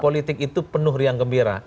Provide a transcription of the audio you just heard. politik itu penuh riang gembira